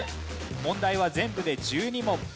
問題は全部で１２問。